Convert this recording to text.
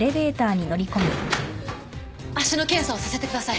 脚の検査をさせてください。